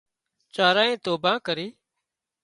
چارانئي توڀان ڪرِي